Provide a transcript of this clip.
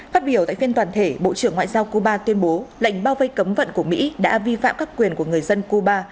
phát biểu tại phiên toàn thể bộ trưởng ngoại giao cuba tuyên bố lệnh bao vây cấm vận của mỹ đã vi phạm các quyền của người dân cuba